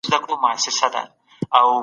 تاسو بايد د خپلو پلرونو فکري لاره وڅېړئ.